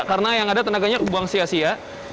karena yang ada tenaganya dibuang sia sia